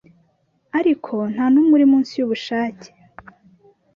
Ariko ntanumwe uri munsi yubushake